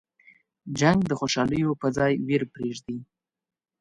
جنګ د خوشحالیو په ځای ویر پرېږدي.